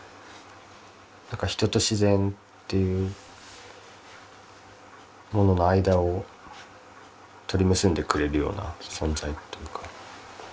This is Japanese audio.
なんか人と自然っていうものの間を取り結んでくれるような存在というか。